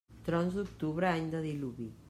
Trons d'octubre, any de diluvi.